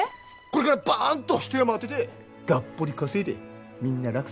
これからバンと一山当ててがっぽり稼いでみんな楽させてやるから。